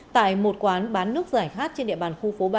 tại một quán bán nước giải khát trên địa bàn khu phố ba